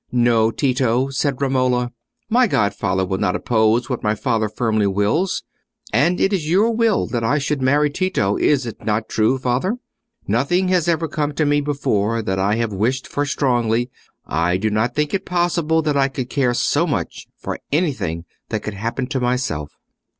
"No, Tito," said Romola, "my godfather will not oppose what my father firmly wills. And it is your will that I should marry Tito—is it not true, father? Nothing has ever come to me before that I have wished for strongly: I did not think it possible that I could care so much for anything that could happen to myself."